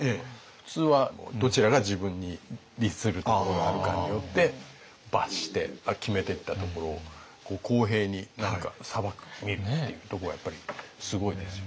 普通はどちらが自分に利するところがあるかによって罰して決めてったところを公平に裁く見るっていうとこがやっぱりすごいですよね。